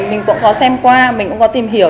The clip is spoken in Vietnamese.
mình cũng có xem qua mình cũng có tìm hiểu